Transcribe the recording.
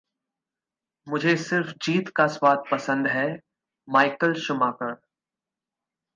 मुझे सिर्फ जीत का स्वाद पसंद हैः माइकल शूमाकर